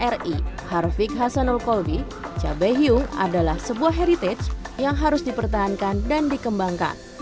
ri harfiq hasanul kolbi cabai hiung adalah sebuah heritage yang harus dipertahankan dan dikembangkan